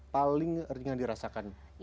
paling ringan dirasakan